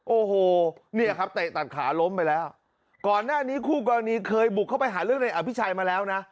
โอ้โหเนี่ยครับเตะตัดขาล้มไปแล้วก่อนหน้านี้คู่กรณีเคยบุกเข้าไปหาเรื่องในอภิชัยมาแล้วนะ